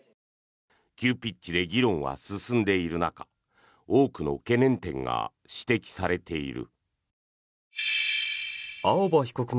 急ピッチで議論は進んでいる中多くの懸念点が指摘されている。